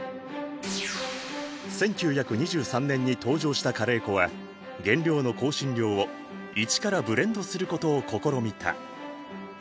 １９２３年に登場したカレー粉は原料の香辛料を一からブレンドすることを試みた。